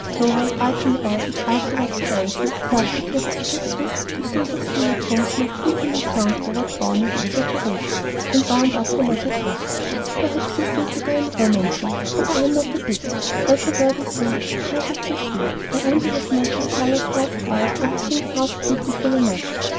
Clover, writing about it afterward to Elsie, felt that her descriptions to sober stay at homes might easily sound overdrawn and exaggerated, and wound up her letter thus: "Perhaps you think that I am romancing; but I am not a bit. Every word I say is perfectly true, only I have not made the colors half bright or the things half beautiful enough.